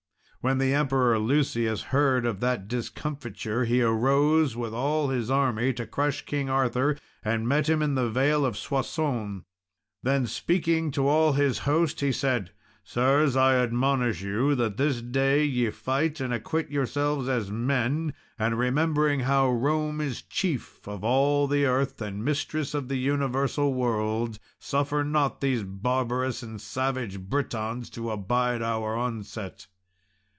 When the Emperor Lucius heard of that discomfiture he arose, with all his army, to crush King Arthur, and met him in the vale of Soissons. Then speaking to all his host, he said, "Sirs, I admonish you that this day ye fight and acquit yourselves as men; and remembering how Rome is chief of all the earth, and mistress of the universal world, suffer not these barbarous and savage Britons to abide our onset."